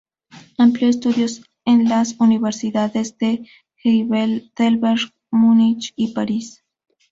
Amplió estudios en las Universidades de Heidelberg, Múnich y París.